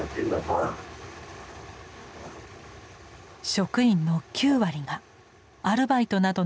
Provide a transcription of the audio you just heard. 職員の９割がアルバイトなどの非常勤です。